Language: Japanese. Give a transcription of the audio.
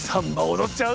踊っちゃう？